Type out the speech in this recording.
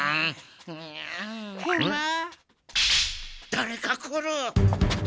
だれか来る！